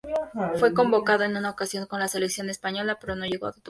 Fue convocado en una ocasión con la selección española pero no llegó a debutar.